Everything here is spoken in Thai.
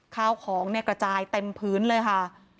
ข้าวของเนี่ยกระจายเต็มพื้นเลยค่ะ